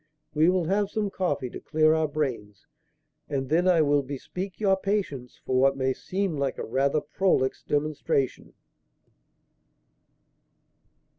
We will have some coffee to clear our brains, and then I will bespeak your patience for what may seem like a rather prolix demonstration."